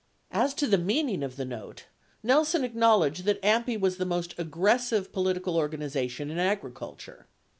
49 As to the meaning of the note, Nelson acknowledged that AMPI was the most aggressive political organization in agriculture.